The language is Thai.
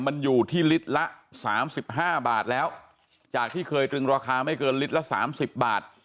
มันอยู่ที่ลิตรละสามสิบห้าบาทแล้วจากที่เคยตรึงราคาไม่เกินลิตรละสามสิบบาท